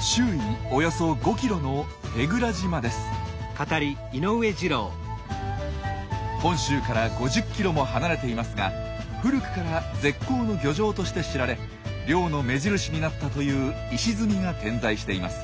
周囲およそ５キロの本州から５０キロも離れていますが古くから絶好の漁場として知られ漁の目印になったという石積みが点在しています。